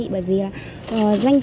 bởi vì là